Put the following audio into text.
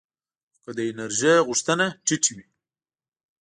خو که د انرژۍ غوښتنې ټیټې وي